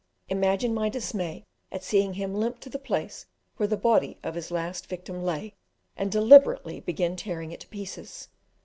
Imagine my dismay at seeing him limp to the place where the body of his last victim lay, and deliberately begin tearing it to pieces.